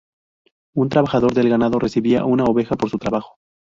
Un trabajador del ganado recibía una oveja por su trabajo.